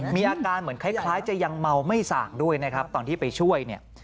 มีอาการเหมือนคล้ายจะยังเมาไม่สางด้วยนะครับตอนที่ไปช่วยเนี่ย